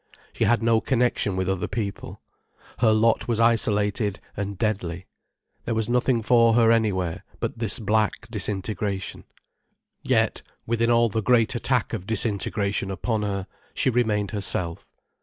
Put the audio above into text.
She had no connection with other people. Her lot was isolated and deadly. There was nothing for her anywhere, but this black disintegration. Yet, within all the great attack of disintegration upon her, she remained herself.